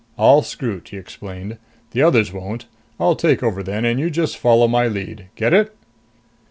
"I'll scrut," he explained. "The others won't. I'll take over then and you just follow my lead. Get it?"